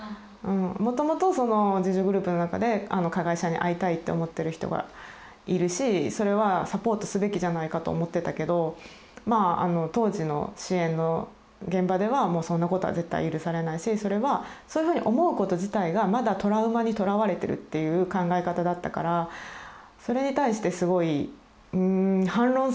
もともと自助グループの中で加害者に会いたいと思ってる人がいるしそれはサポートすべきじゃないかと思ってたけどまあ当時の支援の現場ではもうそんなことは絶対許されないしそれはそういうふうに思うこと自体がまだトラウマにとらわれてるっていう考え方だったからそれに対してすごいうん反論することができなかったですよね。